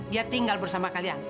dia tinggal bersama kalian